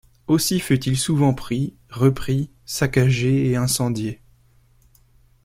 Aussi fut-il souvent pris, repris, saccagé et incendié.